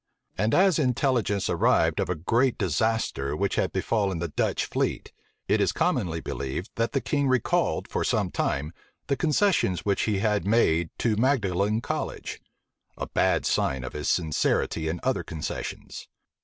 And as intelligence arrived of a great disaster which had befallen the Dutch fleet, it is commonly believed, that the king recalled, for some time, the concessions which he had made to Magdalen College; a bad sign of his sincerity in his other concessions.